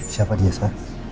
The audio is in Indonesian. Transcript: siapa dia sa